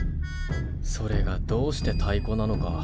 それがどうしてたいこなのか。